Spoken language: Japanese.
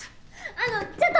あのちょっと！